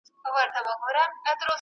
نور ئې نور، عثمان ته هم غورځېدی.